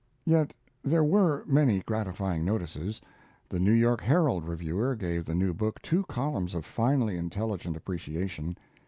Yet there were many gratifying notices. The New York Herald reviewer gave the new book two columns of finely intelligent appreciation.